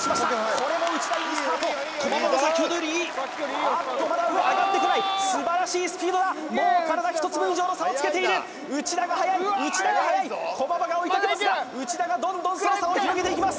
これも内田いいスタート駒場も先ほどよりいいああっとまだ上がってこないすばらしいスピードだもう体一つ分以上の差をつけている内田がはやい内田がはやい駒場が追いかけてますが内田がどんどんその差を広げていきます